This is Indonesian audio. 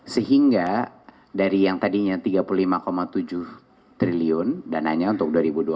sehingga dari yang tadinya tiga puluh lima tujuh triliun dananya untuk dua ribu dua puluh